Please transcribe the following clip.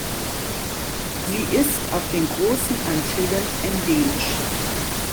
Sie ist auf den Großen Antillen endemisch.